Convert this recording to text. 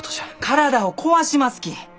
体を壊しますき！